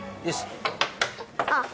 あっ。